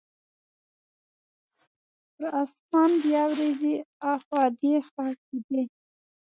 پر اسمان بیا وریځې اخوا دیخوا کیدې.